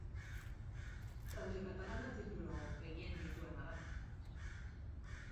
Talde katalana titulu gehien dituena da.